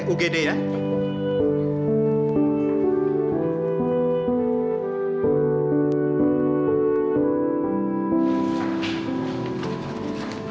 alhamdulillah ya pak